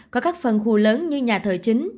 có các phần khu lớn như nhà thờ chính